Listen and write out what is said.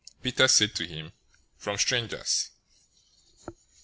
017:026 Peter said to him, "From strangers."